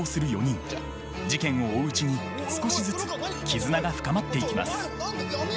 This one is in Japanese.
事件を追ううちに少しずつ絆が深まっていきます。